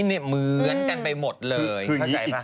นี่เหมือนกันไปหมดเลยเข้าใจป่ะ